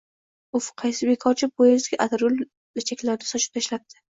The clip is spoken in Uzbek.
Uff, qaysi bekorchi pod`ezdga atirgul lachaklarini sochib tashlabdi